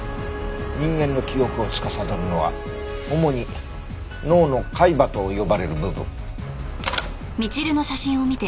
人間の記憶をつかさどるのは主に脳の海馬と呼ばれる部分。